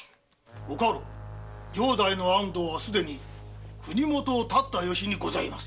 ご家老城代の安藤はすでに国もとを発った由にございます。